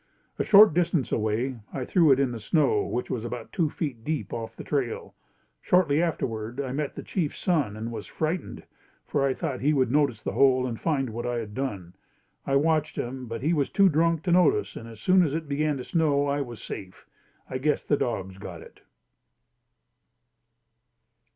A short distance away, I threw it in the snow which was about two feet deep off the trail. Shortly afterward I met the chief's son and was frightened, for I thought he would notice the hole and find what I had done. I watched him, but he was too drunk to notice and as it soon began to snow, I was safe. I guess the dogs got it.